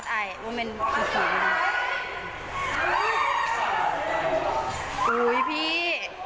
อุ้ยพี่อุ้ยพี่